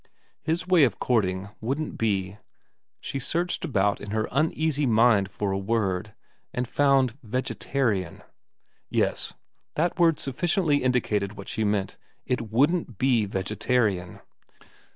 His way of courting wouldn't be, she searched about in her uneasy mind for a word, and found vegetarian. Yes ; that word sufficiently indicated what she meant : it wouldn't be vegetarian.